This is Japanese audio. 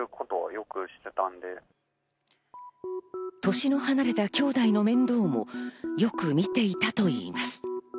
年の離れたきょうだいの面倒もよく見ていたといいます。